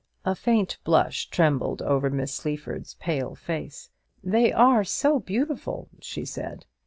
A faint blush trembled over Miss Sleaford's pale face. "They are so beautiful!" she said.